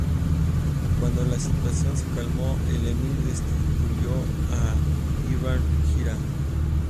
Cuando la situación se calmó, el emir destituyó a Ibn Jira.